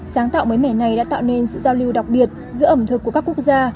sáng tạo mới mẻ này đã tạo nên sự giao lưu đặc biệt giữa ẩm thực của các quốc gia